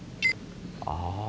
ああ。